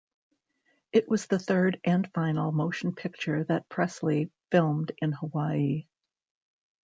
It was the third and final motion picture that Presley filmed in Hawaii.